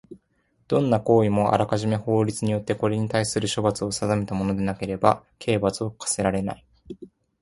どんな行為もあらかじめ法律によってこれにたいする罰則を定めたものでなければ刑罰を科せられない。